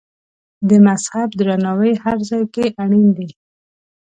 د مذهب درناوی هر ځای کې اړین دی.